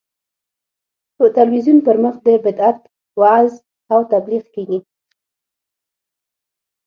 په تلویزیون پر مخ د بدعت وعظ او تبلیغ کېږي.